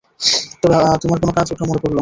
তবে তোমার কেন আজ ওটা মনে পড়ল।